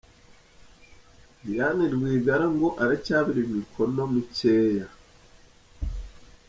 Diane Rwigara ngo acyabura imikono 'mikeya'.